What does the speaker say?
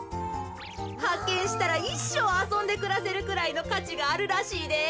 はっけんしたらいっしょうあそんでくらせるくらいのかちがあるらしいで。